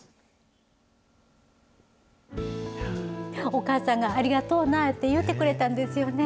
お母さんが、ありがとうなって言ってくれたんですよね。